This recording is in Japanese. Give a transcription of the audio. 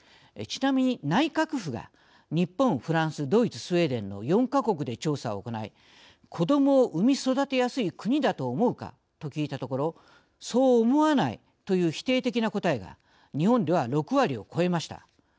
ちなみに内閣府が日本、フランス、ドイツスウェーデンの４か国で調査を行い子どもを産み育てやすい国だと思うかと聞いたところそう思わないという否定的な答えが日本では、６割を超えました。